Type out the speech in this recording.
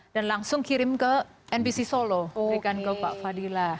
dan langsung kirim ke nbc solo kirim ke pak fadilah